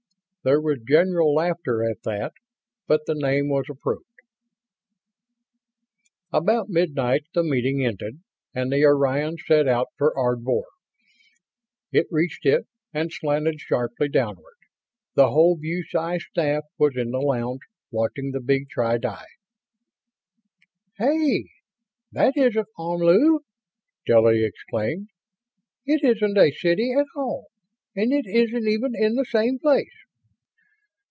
There was general laughter at that, but the name was approved. About midnight the meeting ended and the Orion set out for Ardvor. It reached it and slanted sharply downward. The whole BuSci staff was in the lounge, watching the big tri di. "Hey! That isn't Omlu!" Stella exclaimed. "It isn't a city at all and it isn't even in the same place!"